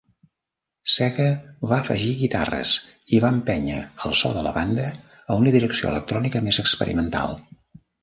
Sega va afegir guitarres i va empènyer el so de la banda a una direcció electrònica més experimental.